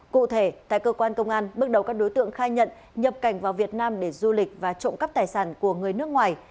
cụ thể tại cơ quan công an bước đầu các đối tượng khai nhận nhập cảnh vào việt nam để du lịch và trộm cắp tài sản của người nước ngoài